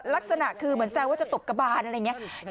ลักษณะคือเหมือนแซวว่าจะตกกระบานอะไรอย่างนี้